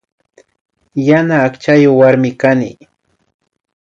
Yana akchayuk warmimi kani